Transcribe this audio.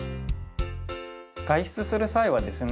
外出する際はですね